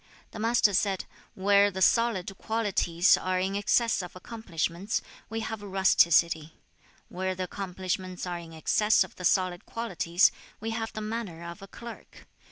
The Master said, 'Where the solid qualities are in excess of accomplishments, we have rusticity; where the accomplishments are in excess of the solid qualities, we have the manners of a clerk.